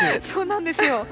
そうなんですよ。